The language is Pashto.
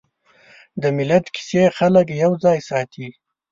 د ملت کیسې خلک یوځای ساتي.